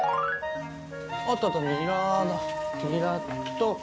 あったあったニラだニラと。